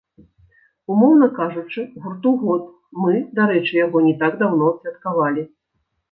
Умоўна кажучы, гурту год, мы, дарэчы, яго не так даўно адсвяткавалі.